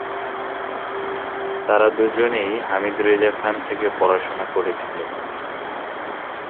তারা দুজনেই হামিদ রেজা খান থেকে পড়াশোনা করেছিল।